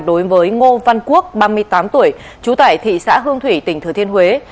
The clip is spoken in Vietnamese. đối với ngô văn quốc ba mươi tám tuổi trú tại thị xã hương thủy tỉnh thừa thiên huế